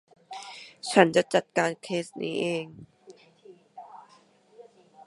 ฉันจะจัดการเคสนี้เอง